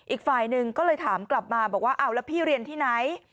อีกฝ่ายหนึ่งก็เลยถามกลับมาบอกว่าเอาแล้วพี่เรียนที่ไหน